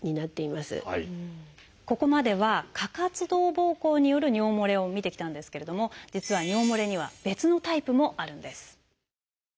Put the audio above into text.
ここまでは過活動ぼうこうによる尿もれを見てきたんですけれども実は尿もれには別のタイプもあるんです。